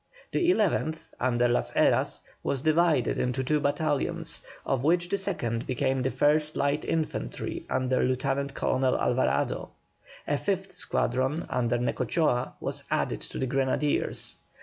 The 11th, under Las Heras, was divided into two battalions, of which the second became the 1st Light Infantry under Lieutenant Colonel Alvarado. A fifth squadron under Necochea was added to the Grenadiers.